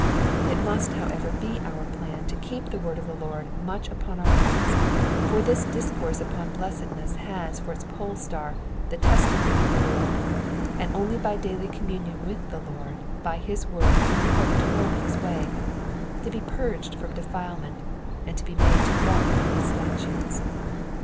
^' It must, however, be our plan to keep the word hi the Lord much upon our minds ; for this discourse unon blessedness has for its pole star the testimony of the Lord, and only by aaily communion with the Lord by his word can we hope to learn his way, to be purged from defilement, and to be made to walk in his statutes.